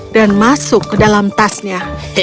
dan masuk ke dalam tasnya